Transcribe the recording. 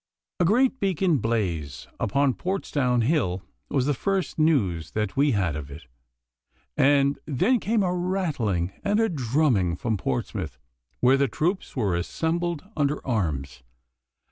A great beacon blaze upon Portsdown Hill was the first news that we had of it, and then came a rattling and a drumming from Portsmouth, where the troops were assembled under arms.